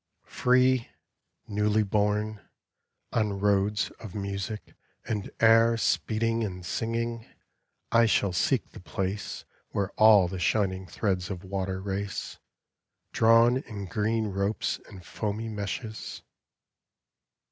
Free, newly born, on roads of music and air Speeding and singing, I shall seek the place Where all the shining threads of water ra Drawn in green ropes and foamy meshes.